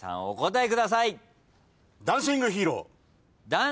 お答えください。